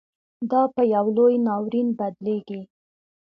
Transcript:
دا پـه يـو لـوى نـاوريـن بـدليږي.